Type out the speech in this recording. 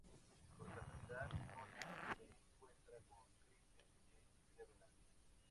Por casualidad, Donna se encuentra con Christine en Cleveland.